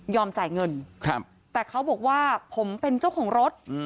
จ่ายเงินแต่เขาบอกว่าผมเป็นเจ้าของรถ